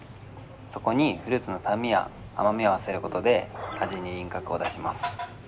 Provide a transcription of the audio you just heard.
そこにフルーツの酸味や甘みを合わせることで味に輪郭を出します。